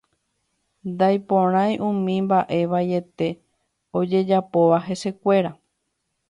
Naiporãi umi mbaʼe vaiete ojejapóva hesekuéra.